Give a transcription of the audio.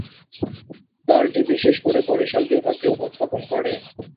দলটি বিশেষ করে বরিশাল বিভাগকে উপস্থাপন করে।